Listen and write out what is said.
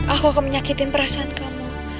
aku akan menyakitin perasaan kamu